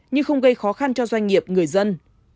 nhưng không gây khó khăn cho doanh nghiệp người dân